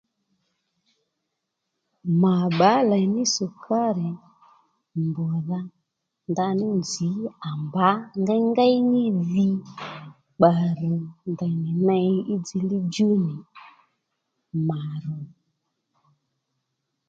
Mà bbǎ lèy ní sukari mbr̀dha ndaní nzǐ à mbǎ ngéyngéy ní dhi bbalè ndèy nì ney í dziylíy djú nì màdhò